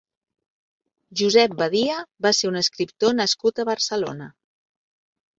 Josep Badia va ser un escriptor nascut a Barcelona.